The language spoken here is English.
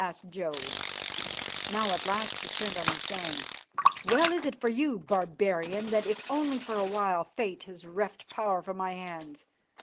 asked Jodd. Now at last she turned on him, saying, "Well is it for you, Barbarian, that if only for a while Fate has reft power from my hands.